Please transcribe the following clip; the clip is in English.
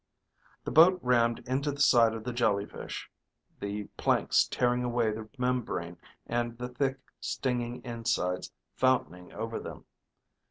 The boat rammed into the side of the jellyfish, the planks tearing away the membrane and the thick, stinging insides fountaining over them.